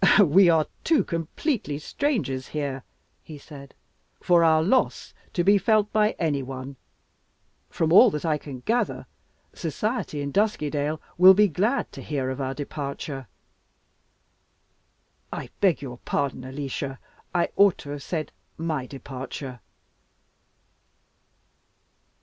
"We are too completely strangers here," he said, "for our loss to be felt by any one. From all that I can gather, society in Duskydale will be glad to hear of our departure. I beg your pardon, Alicia I ought to have said my departure."